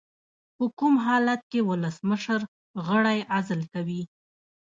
په کوم حالت کې ولسمشر غړی عزل کوي؟